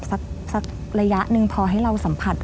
สักระยะหนึ่งพอให้เราสัมผัส